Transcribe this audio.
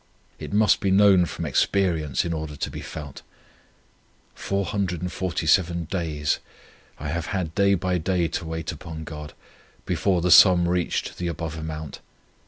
It must be known from experience, in order to be felt. 447 days I have had day by day to wait upon God, before the sum reached the above amount.